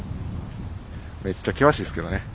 めっちゃ険しいですけどね。